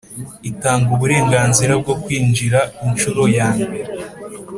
Itanga uburenganzira bwo kwinjira inshuro yambere